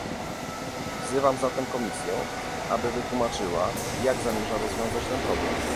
Wzywam zatem Komisję, aby wytłumaczyła, jak zamierza rozwiązać ten problem